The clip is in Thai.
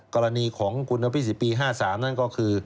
กรณีของคุณนพิสิทธิ์ปี๕๓นั่นก็คือ